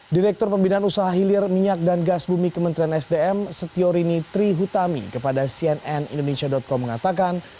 direktur pembinaan usaha hilir minyak dan gas bumi kementerian sdm setiorini trihutami kepada cnn indonesia com mengatakan